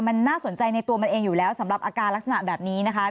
มันน่าสนใจในตัวมันเองอยู่แล้วสำหรับอาการลักษณะแบบนี้นะคะ